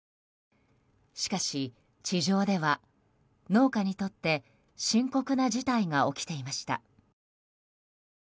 しかし、地上では農家にとって深刻な事態が起きていました。